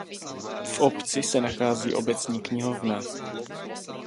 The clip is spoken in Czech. V obci se nachází obecní knihovna.